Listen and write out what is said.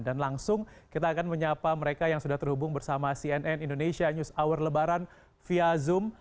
dan langsung kita akan menyapa mereka yang sudah terhubung bersama cnn indonesia news hour lebaran via zoom